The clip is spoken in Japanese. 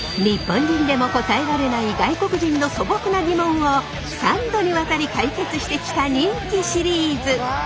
日本人でも答えられない外国人の素朴なギモンを３度にわたり解決してきた人気シリーズ！